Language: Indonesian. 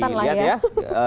ini udah kelihatan lah ya